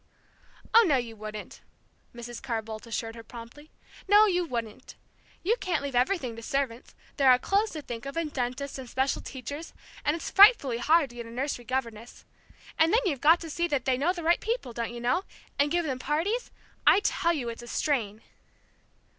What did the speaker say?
"Oh, no, you wouldn't," Mrs. Carr Boldt assured her promptly. "No, you wouldn't! You can't leave everything to servants there are clothes to think of, and dentists, and special teachers, and it's frightfully hard to get a nursery governess. And then you've got to see that they know the right people don't you know? and give them parties I tell you it's a strain."